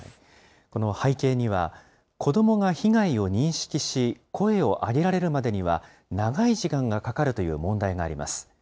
この背景には、子どもが被害を認識し、声を上げられるまでには、長い時間がかかるという問題があります。